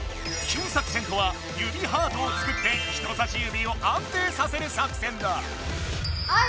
キュン作戦とは指ハートを作って人差し指を安定させる作戦だ！